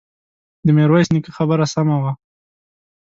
د ميرويس نيکه خبره سمه وه.